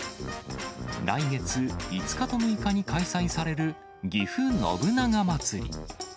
来月５日と６日に開催されるぎふ信長まつり。